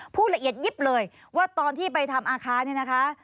พูดละเอียดยิบเลยว่าตอนที่ไปทำอาคารเนี่ยนะคะ